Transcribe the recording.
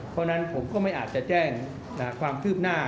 เพราะฉะนั้นผมก็ไม่อาจจะแจ้งความคืบหน้า